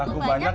laku banyak pak